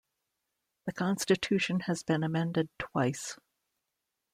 The Constitution has been amended twice.